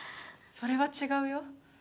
それは違うよ